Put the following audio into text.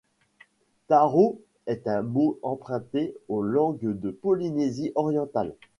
Taro est un mot emprunté aux langues de Polynésie orientale.